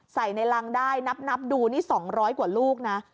ใส่ในรังได้นับดูนี่๒๐๐กว่าลูกนะ